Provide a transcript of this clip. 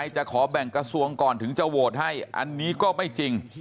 จะขอแบ่งกระทรวงก่อนถึงจะโหวตให้อันนี้ก็ไม่จริง